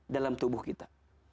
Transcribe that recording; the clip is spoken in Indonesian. dalam tubuh kita